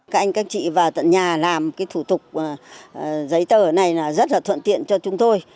các anh các chị vào tận nhà làm cái thủ tục giấy tờ này là rất là thuận tiện cho chúng tôi